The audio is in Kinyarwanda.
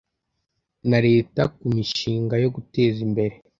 na leta ku mishinga yo guteza imbere